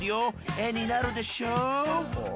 絵になるでしょ。